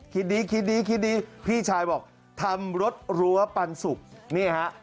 คิดดีคิดดีคิดดีพี่ชายบอกทำรถรั้วปันสุกนี่ฮะ